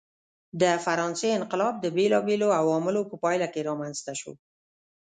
د فرانسې انقلاب د بېلابېلو عواملو په پایله کې رامنځته شو.